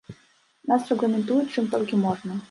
Нас рэгламентуюць чым толькі можна.